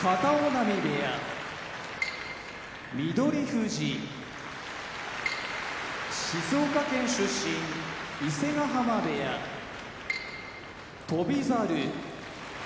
翠富士静岡県出身伊勢ヶ濱部屋翔猿